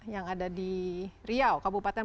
yang ada di riau kabupaten